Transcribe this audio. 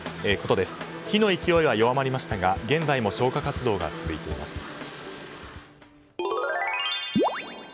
火の勢いは弱まりましたが現在も消火活動が続いています。